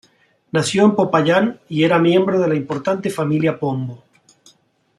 Nació en Popayán y era miembro de la importante familia Pombo.